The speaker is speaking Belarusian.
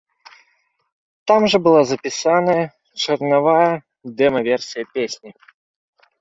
Там жа была запісаная чарнавая дэма-версія песні.